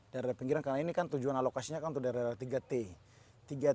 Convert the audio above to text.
daerah daerah pinggiran karena ini kan tujuan alokasinya kan untuk daerah daerah tiga t